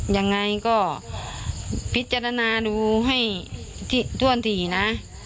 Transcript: ยังไงก็พิจารณาดูให้ถ้วนถี่นะ